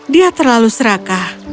dia terlalu serakah